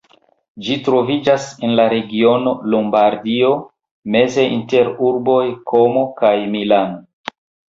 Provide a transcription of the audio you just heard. Ĝi troviĝas en la regiono Lombardio, meze inter urboj Komo kaj Milan.